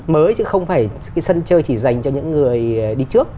mới chứ không phải cái sân chơi chỉ dành cho những người đi trước